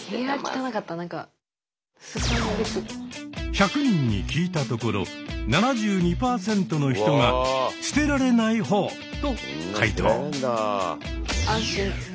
１００人に聞いたところ７２％の人が「捨てられないほう」と回答。